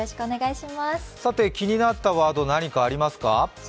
気になったワード、何かありますか？